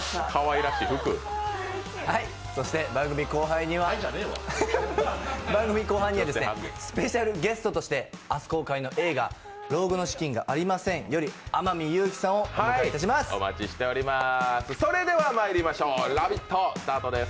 そして番組後半にはスペシャルゲストとして明日公開の映画「老後の資金がありません！」より天海祐希さんをお迎えいたします。